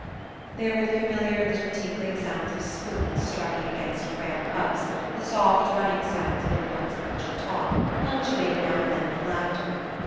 ..." There were the familiar little tinkling sounds of spoons striking against frail cups, the soft running sounds of inconsequential talk, punctuated now and then with laughter.